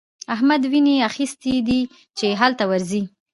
احمد ويني اخيستی دی چې هلته ورځي.